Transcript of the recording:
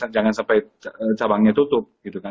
jangan sampai cabangnya tutup gitu kan